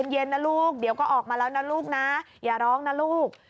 เย็นนะลูกเดี๋ยวก็ออกมาแล้วนะลูกนะอย่าร้องนะลูก